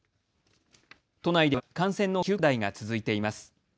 都内では感染の急拡大が続いています。